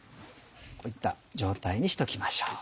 こういった状態にしときましょう。